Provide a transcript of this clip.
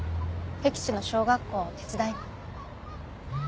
僻地の小学校を手伝いに。